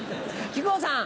木久扇さん。